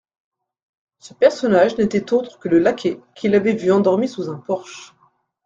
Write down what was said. Ce personnage n'était autre que le laquais qu'il avait vu endormi sous un porche.